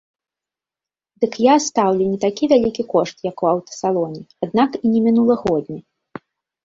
Дык я стаўлю не такі вялікі кошт, як у аўтасалоне, аднак і не мінулагодні.